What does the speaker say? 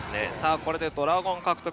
これでドラゴン獲得。